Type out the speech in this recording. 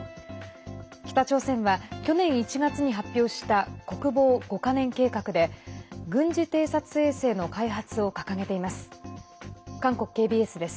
北朝鮮は去年１月に発表した国防５か年計画で軍事偵察衛星の開発を掲げています。